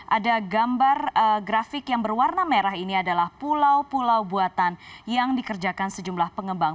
ada gambar grafik yang berwarna merah ini adalah pulau pulau buatan yang dikerjakan sejumlah pengembang